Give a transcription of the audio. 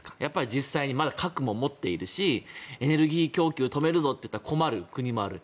実際にまだ核も持っているしエネルギー供給を止めるぞと言ったら困る国もある。